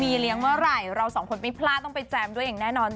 มีเลี้ยงเมื่อไหร่เราสองคนไม่พลาดต้องไปแจมด้วยอย่างแน่นอน